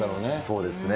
そうですね。